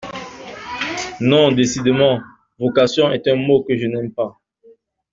Non, décidément, vocation est un mot que je n'aime pas.